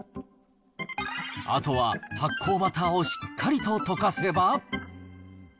あとは発酵バターをしっかりと溶かせば。